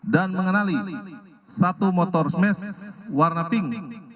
dan mengenali satu motor smash warna pink